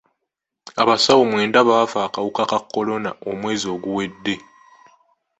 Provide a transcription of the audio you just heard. Abasawo mwenda baafa akawuka ka kolona omwezi oguwedde.